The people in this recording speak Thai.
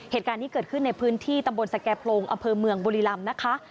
เหตุการณ์นี้เกิดขึ้นในพื้นที่ตำบลสแก่โพรงอำเภอเมืองบุรีรำนะคะ